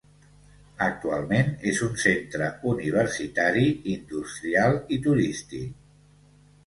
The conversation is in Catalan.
Actualment és un centre universitari, industrial i turístic.